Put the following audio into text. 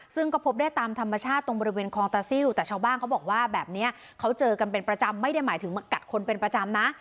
ซึ่งก็พบได้ตามธรรมชาติตรงบริเวณคลองตาซิลแต่ชาวบ้านเขาบอกว่าแบบนี้เขาเจอกันเป็นประจำไม่ได้หมายถึงกัดคนเป็นประจำนะ